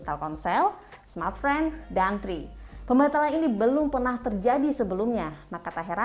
telkomsel smartfren dan tri pembatalan ini belum pernah terjadi sebelumnya maka tahera